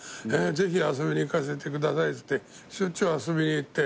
ぜひ遊びに行かせてくださいっつってしょっちゅう遊びに行って。